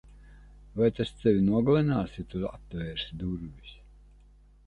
Vai tas tevi nogalinās ja tu atvērsi durvis?